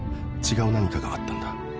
違う何かがあったんだ